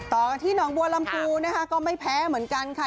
ต่อกันที่หนองบัวลำพูนะคะก็ไม่แพ้เหมือนกันค่ะ